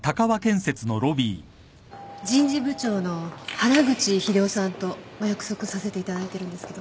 人事部長の原口秀夫さんとお約束させていただいてるんですけど。